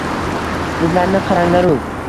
Sizlarni qaranglaru...